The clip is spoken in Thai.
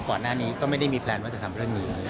ก่อนหน้านี้ก็ไม่ได้มีแพลนว่าจะทำเรื่องนี้